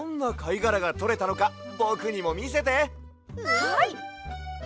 はい！